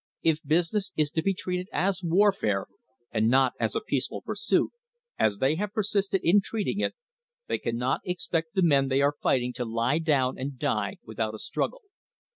If business is to be treated as warfare and not as a peace ful pursuit, as they have persisted in treating it, they cannot expect the men they are fighting to lie down and die without a struggle.